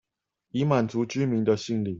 以滿足居民的心靈